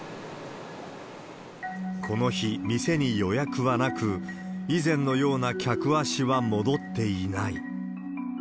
この日、店に予約はなく、以前のような客足は戻っていない。